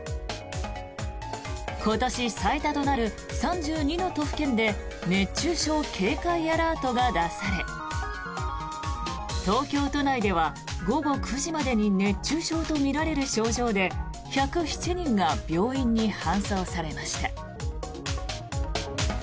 今年最多となる３２の都府県で熱中症警戒アラートが出され東京都内では午後９時までに熱中症とみられる症状で１０７人が病院に搬送されました。